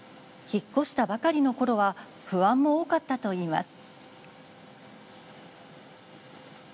引っ越したばかりのころは不安も多かったといいます。